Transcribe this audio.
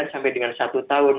sampai dengan satu tahun